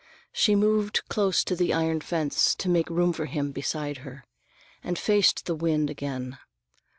She moved close to the iron fence to make room for him beside her, and faced the wind again.